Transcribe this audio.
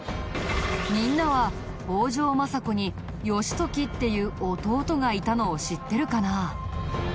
みんなは北条政子に義時っていう弟がいたのを知ってるかな？